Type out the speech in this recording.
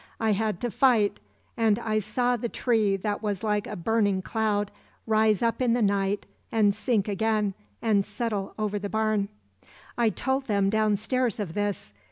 I had to fight, and I saw the tree that was like a burning cloud rise up in the night and sink again and settle over the barn. "I told them downstairs of this.